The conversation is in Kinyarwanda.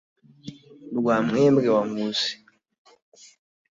Rwampembwe rwa Nkusi